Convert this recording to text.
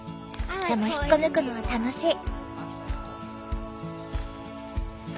でも引っこ抜くのは楽しい。